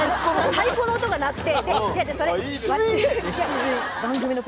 太鼓の音が鳴って。